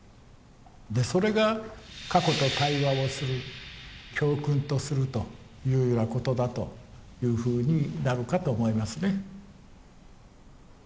でそれが過去と対話をする教訓とするというようなことだというふうになるかと思いますね。